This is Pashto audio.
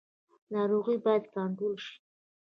ناروغي باید کنټرول شي